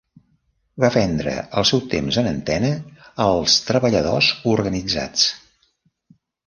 Va vendre el seu temps en antena als treballadors organitzats.